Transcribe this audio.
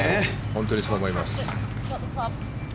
本当にそう思います。